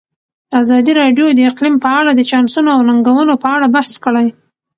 ازادي راډیو د اقلیم په اړه د چانسونو او ننګونو په اړه بحث کړی.